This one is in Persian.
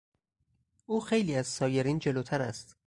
او خیلی از سایرین جلوتر است.